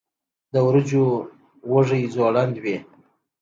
د وریجو وږی ځوړند وي.